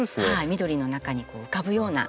緑の中に浮かぶような。